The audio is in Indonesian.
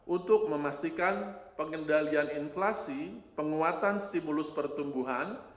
untuk memastikan pengendalian inflasi penguatan stimulus pertumbuhan